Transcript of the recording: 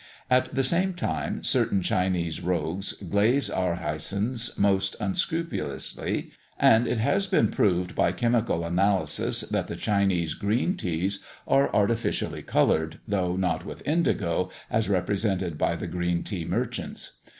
At the same time, certain Chinese rogues glaze our hysons most unscrupulously; and it has been proved by chemical analysis, that the Chinese green teas are artificially coloured, though not with indigo, as represented by the green tea merchants.